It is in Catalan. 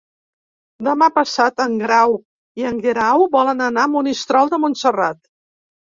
Demà passat en Grau i en Guerau volen anar a Monistrol de Montserrat.